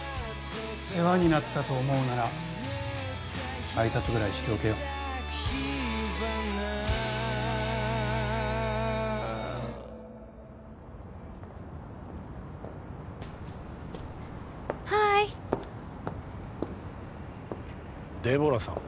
世話になったと思うなら挨拶ぐらいしておけよハーイデボラさん